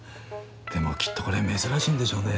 でもきっとこれ珍しいんでしょうね。